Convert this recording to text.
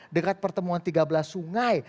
dekat pertemuan tiga belas sungai